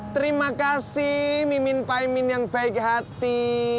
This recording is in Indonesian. terima kasih mimin paimin yang baik hati